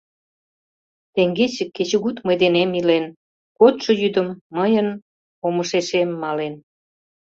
Теҥгече кечыгут мый денем илен, кодшо йӱдым мыйын... помышешем мален...